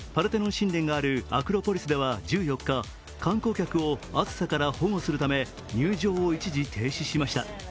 神殿があるアクロポリスでは１４日、観光客を暑さから保護するため、入場を一時停止しました。